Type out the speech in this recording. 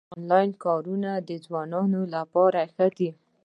انلاین کارونه د ځوانانو لپاره ښه دي